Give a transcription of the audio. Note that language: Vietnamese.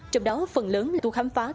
trong đó phần lớn là tour khám phá